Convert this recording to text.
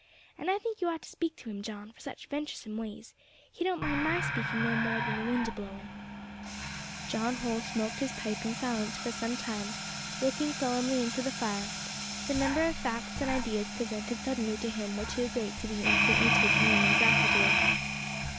And I think you ought to speak to him, John, for such venturesome ways; he don't mind my speaking no more than the wind a blowing." John Holl smoked his pipe in silence for some time, looking solemnly into the fire; the number of facts and ideas presented suddenly to him were too great to be instantly taken in and grappled with.